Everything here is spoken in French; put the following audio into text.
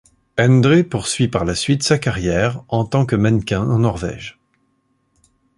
Endre poursuit par la suite sa carrière en tant que mannequin en Norvège.